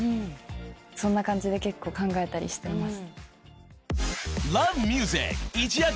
そんな感じで結構考えたりしてます。